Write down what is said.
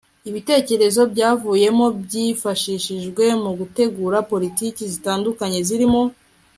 ibitekerezo byavuyemo byifashishijwe mu gutegura politiki zitandukanye zirimo